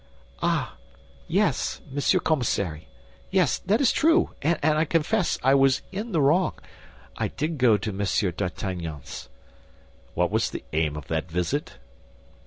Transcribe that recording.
"Ah, yes, Monsieur Commissary; yes, that is true, and I confess that I was in the wrong. I did go to Monsieur d'Artagnan's." "What was the aim of that visit?"